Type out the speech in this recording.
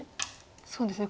そうですね